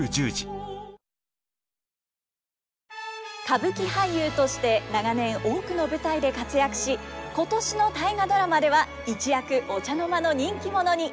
歌舞伎俳優として長年多くの舞台で活躍し今年の「大河ドラマ」では一躍お茶の間の人気者に。